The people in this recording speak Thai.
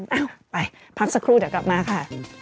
เอ้าไปพักสักครู่เดี๋ยวกลับมาค่ะ